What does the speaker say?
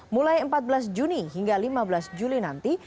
mulai empat belas juni hingga lima belas juli nanti